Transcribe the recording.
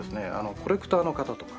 コレクターの方とか。